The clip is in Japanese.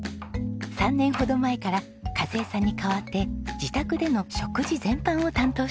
３年ほど前から和枝さんに代わって自宅での食事全般を担当しています。